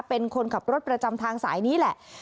เป็นคนขับรถประจำทางสายนี้แหละ